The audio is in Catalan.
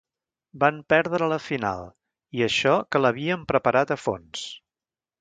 Van perdre la final, i això que l'havien preparat a fons.